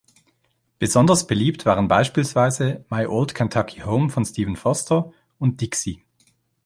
Besonders beliebt waren beispielsweise "My Old Kentucky Home" von Stephen Foster und "Dixie".